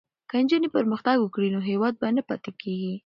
که نجونې پرمختګ وکړي نو هیواد به نه پاتې کېږي.